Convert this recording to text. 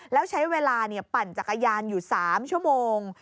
แล้วใช้เวลาปั่นจักรยานอยู่๓ชั่วโมง